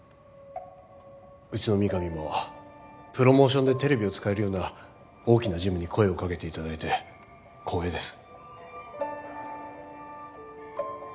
うちの御神もプロモーションでテレビを使えるような大きなジムに声をかけて頂いて光栄です。